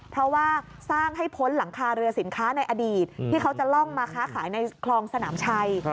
เพราะว่าสร้างให้พ้นหลังคาเรือสินค้าในอดีตที่เขาจะล่องมาค้าขายในคลองสนามชัย